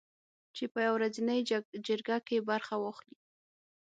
چې په یوه ورځنۍ جرګه کې برخه واخلي